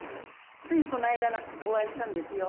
ついこの間お会いしたんですよ。